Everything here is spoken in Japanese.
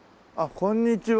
こんにちは。